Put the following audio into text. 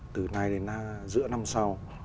từ nay đến giữa năm sau